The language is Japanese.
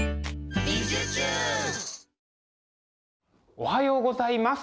おはようございます。